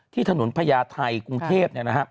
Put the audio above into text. ถนนพญาไทยกรุงเทพ